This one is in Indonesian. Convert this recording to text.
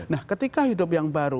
nah ketika hidup yang baru